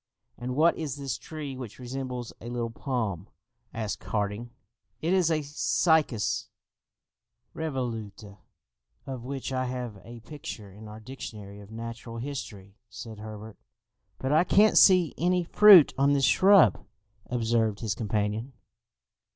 "And what is this tree which resembles a little palm?" asked Harding. "It is a 'cycas revoluta,' of which I have a picture in our dictionary of Natural History!" said Herbert. "But I can't see any fruit on this shrub!" observed his companion.